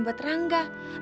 shh dong nasi